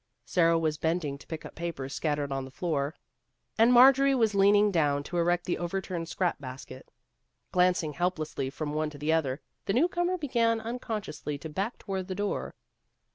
Sara was bending to pick up papers scattered on the floor, and Marjorie was 286 Vassar Studies leaning down to set erect the overturned scrap basket. Glancing helplessly from one to the other, the newcomer began un consciously to back toward the door.